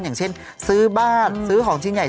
อย่างเช่นซื้อบ้านซื้อของชิ้นใหญ่